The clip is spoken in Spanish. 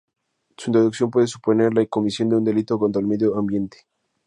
Su introducción puede suponer la comisión de un Delito contra el Medio Ambiente.